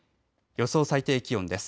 予想最低気温です。